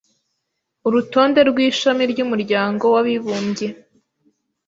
Urutonde rw'ishami ry'umuryango w'abibumbye